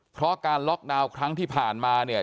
เพราะการล็อกดาวน์ครั้งที่ผ่านมาเนี่ย